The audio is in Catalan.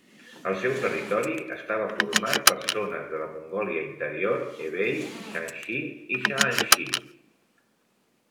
El seu territori estava format per zones de la Mongòlia Interior, Hebei, Shanxi i Shaanxi.